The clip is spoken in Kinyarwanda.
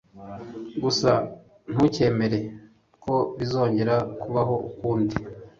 Gusa ntukemere ko bizongera kubaho ukundi